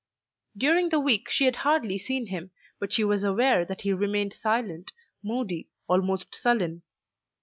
During the week she had hardly seen him, but she was aware that he remained silent, moody, almost sullen.